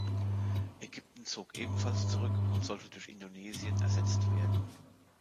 Ägypten zog ebenfalls zurück und sollte durch Indonesien ersetzt werden.